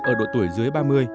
ở độ tuổi dưới ba mươi